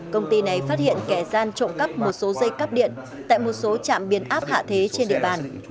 công ty này phát hiện kẻ gian trộm cắp một số dây cắp điện tại một số trạm biến áp hạ thế trên địa bàn